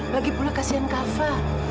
bagi pula kasihan kak fah